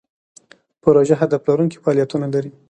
پروژه هدف لرونکي فعالیتونه لري.